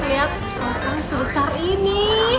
lihat kerosong sebesar ini